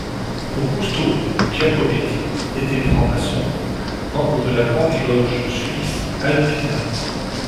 Augusto Giacometti était franc-maçon, membre de la Grande Loge suisse Alpina.